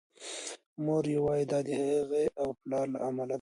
مور یې وايي دا د هغې او پلار له امله دی.